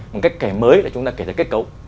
một cái kẻ mới là chúng ta kể ra kết cấu